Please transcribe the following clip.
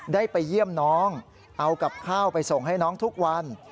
ได้ไปเยี่ยมน้องเอากับข้าวไปส่งให้น้องทุกวัน